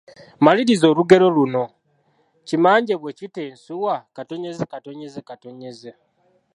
Maliriza olugero luno: Kimmanje bwe kita ensuwa, …..